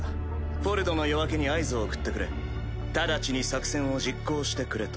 「フォルドの夜明け」に合図を送ってくれ直ちに作戦を実行してくれと。